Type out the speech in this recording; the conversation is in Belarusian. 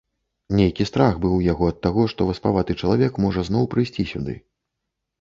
Нейкі страх быў у яго ад таго, што васпаваты чалавек можа зноў прыйсці сюды.